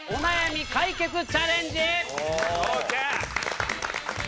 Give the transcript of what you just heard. オーケー！